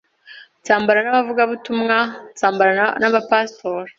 nsambana n’abavugabutumwa, nsambana n’aba pastor,